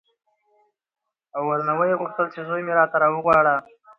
او ورنه ویې غوښتل چې زوی مې راته راوغواړه.